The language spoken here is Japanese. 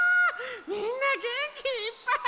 みんなげんきいっぱい！